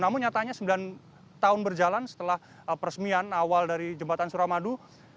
namun nyatanya sembilan tahun berjalan setelah peresmian awal dari jembatan suramadu